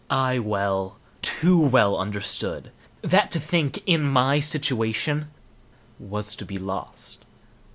I well, too well understood that to think, in my situation, was to be lost.